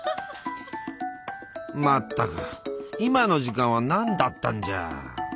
全く今の時間は何だったんじゃ。